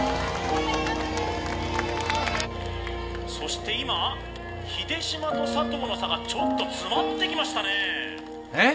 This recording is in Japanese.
そして今秀島と佐藤の差がちょっと詰まってきましたねえっ？